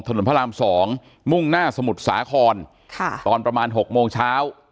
พระราม๒มุ่งหน้าสมุทรสาครค่ะตอนประมาณ๖โมงเช้า